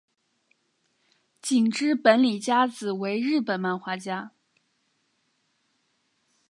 井之本理佳子为日本漫画家。